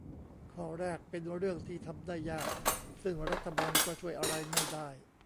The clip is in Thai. ข้อแรกเป็นเรื่องที่ทำได้ยาก ซึ่งรัฐบาลก็ช่วยอะไรไม่ได้